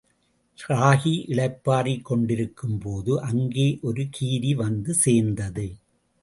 ராகி இளைப்பாறிக் கொண்டிருக்கும் போது அங்கே ஒரு கீரி வந்துசேர்ந்தது.